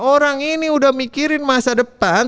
orang ini udah mikirin masa depan